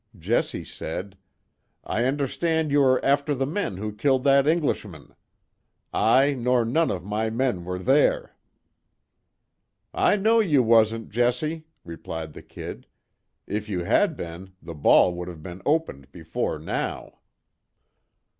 Jesse said: "I understand you are after the men who killed that Englishman. I, nor none of my men were there." "I know you wasn't, Jesse," replied the "Kid." "If you had been, the ball would have been opened before now."